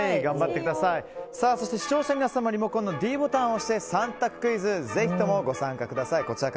そして、視聴者の皆さんはリモコンのｄボタンを押して３択クイズにご参加ください。